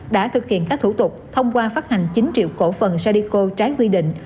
đã thực hiện các thủ tục thông qua phát hành chín triệu cổ phần sadico trái quy định